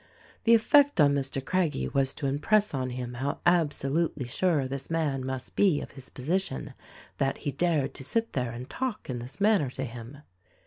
The effect on Mr. Craggie was to impress on him how absolutely sure this man must be of his position, that he dared to sit there and talk in this manner to him.